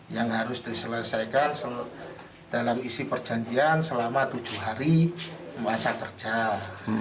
yang harus diselesaikan dalam isi perjanjian selama tujuh hari masa kerja